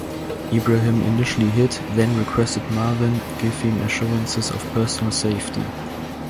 Ibrahim initially hid, then requested Marwan give him assurances of personal safety.